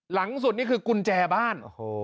หลังสุดนี่คือกุญแจบ้าน